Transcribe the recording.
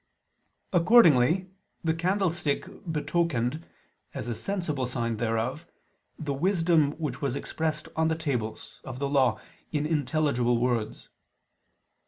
Accordingly the candlestick betokened, as a sensible sign thereof, the wisdom which was expressed on the tables (of the Law) in intelligible words.